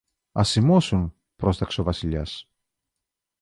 Ας σιμώσουν, πρόσταξε ο Βασιλιάς.